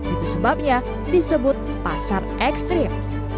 itu sebabnya disebut pasar ekstrim